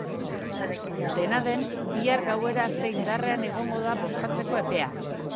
Dena den, bihar gauera arte indarrean egongo da bozkatzeko epea.